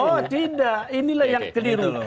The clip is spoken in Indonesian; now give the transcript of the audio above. oh tidak inilah yang keliru